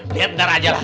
lihat bentar aja lah